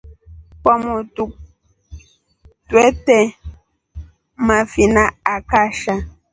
Kwamotru twete mafina akasha.